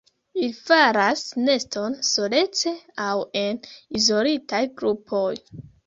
Ili faras neston solece aŭ en izolitaj grupoj.